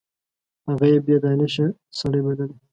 هغه یې بې دانشه سړی بللی.